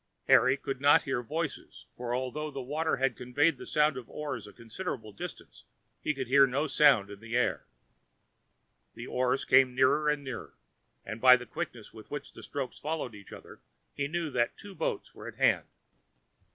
Harry could not hear voices; for although the water had conveyed the sound of the oars a considerable distance, he could hear no sound in the air. The oars came nearer and nearer, and by the quickness with which the strokes followed each other he knew that two boats were at hand.